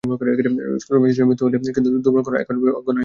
ক্রমে শিশুর মৃত্যু হইল, কিন্তু দুর্বল করুণা তখন একেবারে অজ্ঞান হইয়া পড়িয়াছে।